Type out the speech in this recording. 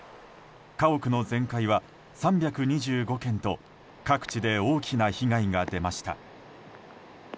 家屋の全壊は３２５件と各地で大きな被害が出ました。